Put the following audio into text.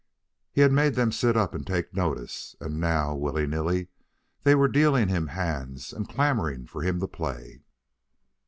He had made them sit up and take notice, and now, willy nilly, they were dealing him hands and clamoring for him to play.